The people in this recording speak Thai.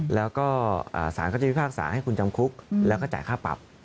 แล้วก็สารเขาจะพิพากษาให้คุณจำคุกแล้วก็จ่ายค่าปรับ